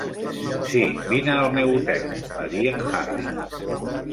"Sí, vine al meu hotel", va dir en Harry.